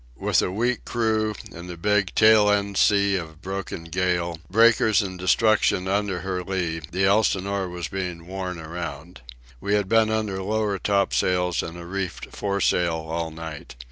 With a weak crew, in the big, tail end sea of a broken gale, breakers and destruction under her lee, the Elsinore was being worn around. We had been under lower topsails and a reefed foresail all night.